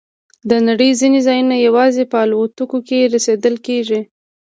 د نړۍ ځینې ځایونه یوازې په الوتکو کې رسیدل کېږي.